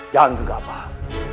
jangan juga pak